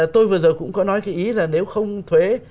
tôi vừa rồi cũng có nói cái ý là nếu không thuế